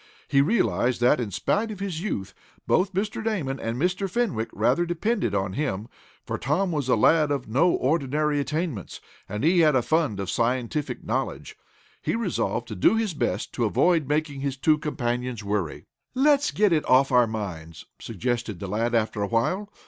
He realized that, in spite of his youth, both Mr. Damon and Mr. Fenwick rather depended on him, for Tom was a lad of no ordinary attainments, and had a fund of scientific knowledge. He resolved to do his best to avoid making his two companions worry. "Let's get it off our minds," suggested the lad, after a while.